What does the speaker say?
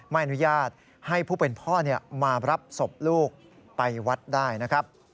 ไม่อนุญาตให้ผู้เป็นพ่อมารับศพลูกไปวัดได้นะครับ